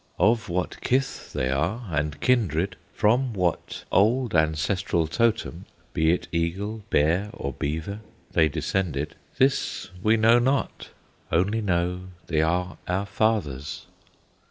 Of what kith they are and kindred, From what old, ancestral Totem, Be it Eagle, Bear, or Beaver, They descended, this we know not, Only know they are our fathers.